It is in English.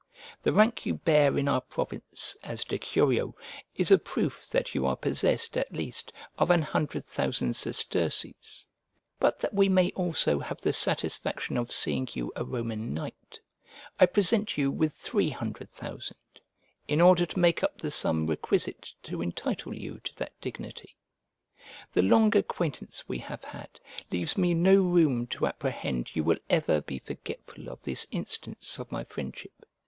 The rank you bear in our province, as decurio, is a proof that you are possessed, at least, of an hundred thousand sesterces; but that we may also have the satisfaction of seeing you a Roman Knight, I present you with three hundred thousand, in order to make up the sum requisite to entitle you to that dignity. The long acquaintance we have had leaves me no room to apprehend you will ever be forgetful of this instance of my friendship.